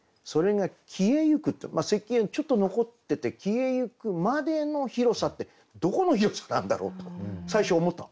咳がちょっと残ってて「消えゆくまでの広さ」ってどこの広さなんだろうと最初思ったの。